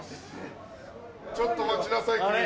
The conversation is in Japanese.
ちょっと待ちなさい君。